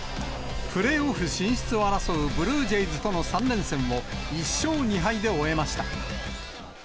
プレーオフ進出を争うブルージェイズとの３連戦を１勝２敗で終えました。